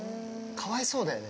かわいそうだよね。